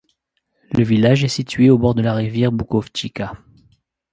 Le village est situé au bord de la rivière Bukovčica.